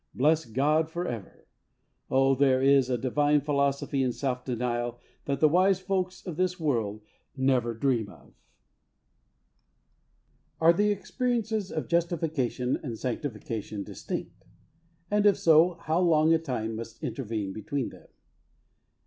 Bless God for ever ! Oh, there is a divine philosophy in self denial that the wise folks of this world never dream of I Are the experiences of justification and sanctification distinct ? And, if so, how long a time must intervene between them